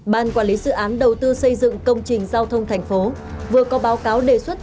ban quản lý dự án đầu tư xây dựng công trình giao thông thành phố vừa có báo cáo đề xuất